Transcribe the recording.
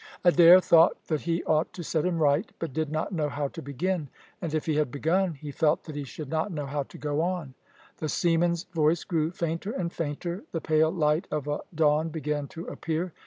Adair thought that he ought to set him right, but did not know how to begin, and, if he had begun, he felt that he should not know how to go on. The seaman's voice grew fainter and fainter, the pale light of of dawn began to appear.